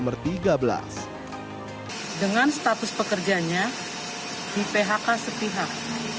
dengan status pekerjanya di phk sepihak